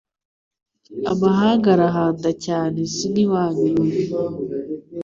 amahanga arahanda cyane sinkiwanyu .